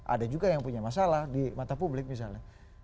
ada juga yang punya masalah di mata publik misalnya